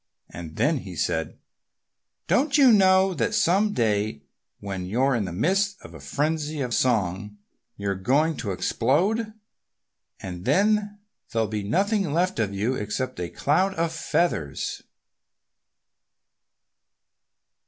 And then he said, "Don't you know that some day when you're in the midst of a frenzy of song you're going to explode? And then there'll be nothing left of you except a cloud of feathers!"